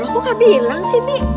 kok enggak bilang sih bi